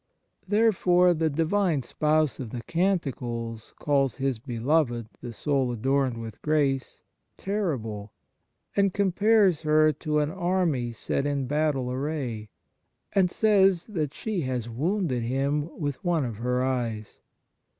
Therefore the Divine Spouse of the Canticles calls His beloved, the soul adorned with grace, " terrible, and compares her to "an army set in battle array," and says that she has wounded Him with one of her eyes.